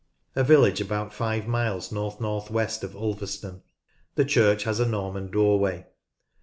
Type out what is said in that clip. A village about five miles west north west of Ulverston. The church has a Norman doorway.